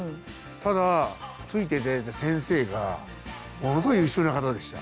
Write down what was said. ただついて頂いた先生がものすごい優秀な方でした。